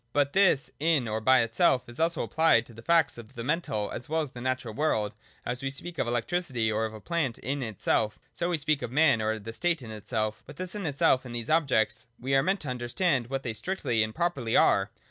But this 'in or by itself is also applied to the facts of the mental as well as the natural world : as we speak of electricity or of a plant in itself, so we speak of man or the state in itself. By this ' in itself ' in these objects we are meant to understand what they strictly and properly are.